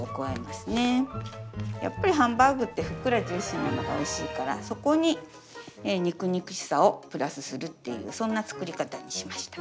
やっぱりハンバーグってふっくらジューシーなのがおいしいからそこに肉肉しさをプラスするっていうそんな作り方にしました。